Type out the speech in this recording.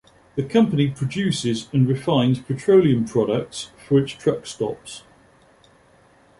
The company produces and refines petroleum products for its truck stops.